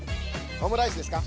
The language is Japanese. オムライスですか？